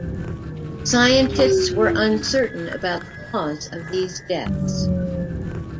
Scientists were uncertain about the cause of these deaths.